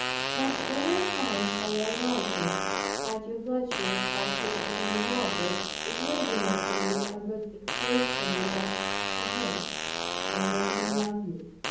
But when I can find, by your writings, that your virtue is but suitably rewarded, it will be not only a good excuse for me, but for him, and make me love you.